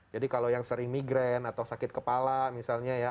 jadi kalau yang sering migren atau sakit kepala misalnya ya